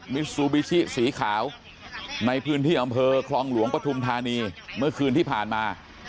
ซูบิชิสีขาวในพื้นที่อำเภอคลองหลวงปฐุมธานีเมื่อคืนที่ผ่านมา